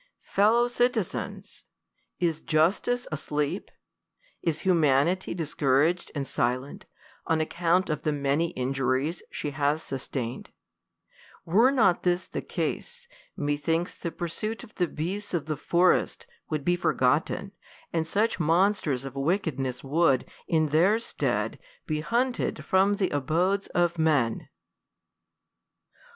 Fellow citizens ! is Justice asleep ? Is Humanity dis couraged and silent, on account of the many injuries she has sustained ? Were not this the case, methinks the pursuit of the beasts of the forest would be forgot ten, and such monsters of wickedness would, in their stead, be hunted from the abodes of men.